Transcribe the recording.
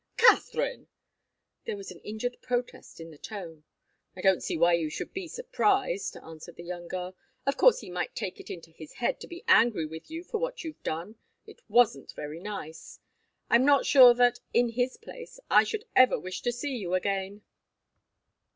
"Katharine!" There was an injured protest in the tone. "I don't see why you should be surprised," answered the young girl. "Of course he might take it into his head to be angry with you for what you've done. It wasn't very nice. I'm not sure that, in his place, I should ever wish to see you again."